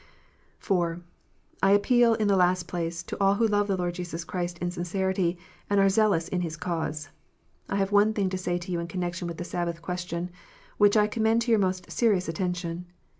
(4) I appeal, in the last place, to all who lore the Lord Jesus Christ in sincerity, and are zealous in His cause. I have one thing to say to you in connection with the Sabbath question, which I commend to your most serious attention.